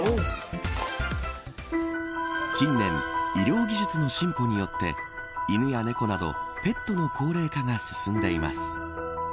近年、医療技術の進歩によって犬や猫などペットの高齢化が進んでいます。